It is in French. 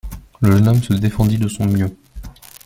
Le jeune homme se défendit de son mieux.